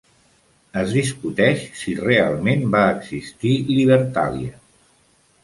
Es discuteix si realment va existir Libertàlia.